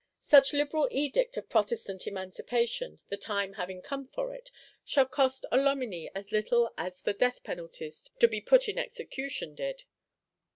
Such liberal Edict of Protestant Emancipation, the time having come for it, shall cost a Loménie as little as the "Death penalties to be put in execution" did.